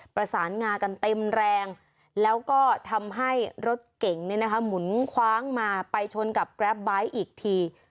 ประสานงานเต็มแรงแล้วก็ทำให้รถเก๋งไม่น่ะค่ะหมุนคว้างมาไปชนกับอีกที